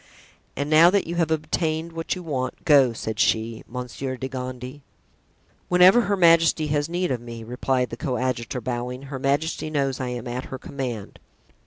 "And now that you have obtained what you want, go," said she, "Monsieur de Gondy." "Whenever her majesty has need of me," replied the coadjutor, bowing, "her majesty knows I am at her command."